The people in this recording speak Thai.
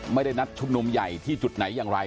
ไม่ได้นัดชุมนุมใหญ่ที่จุดไหนอย่างไร